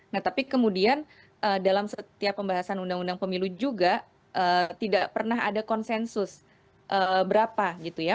nah tapi kemudian dalam setiap pembahasan undang undang pemilu juga tidak pernah ada konsensus berapa gitu ya